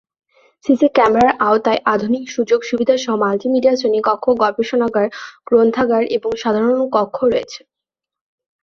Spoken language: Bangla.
সিসি ক্যামেরার আওতায় আধুনিক সুযোগ সুবিধা সহ মাল্টিমিডিয়া শ্রেণীকক্ষ, গবেষণাগার, গ্রন্থাগার এবং সাধারণ কক্ষ রয়েছে।